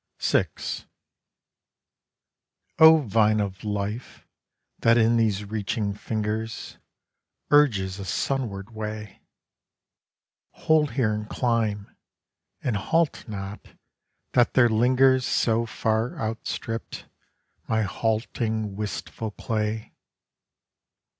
VI O Vine of Life, that in these reaching fingers, Urges a sunward way! Hold here and climb, and halt not, that there lingers So far outstripped, my halting, wistful clay.